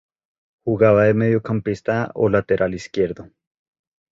Jugaba de mediocampista o lateral izquierdo.